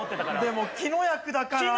でも木の役だから。